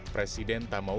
presiden tak mau